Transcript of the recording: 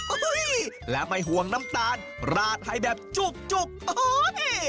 โอ้โหและไม่ห่วงน้ำตาลราดให้แบบจุกโอ้ย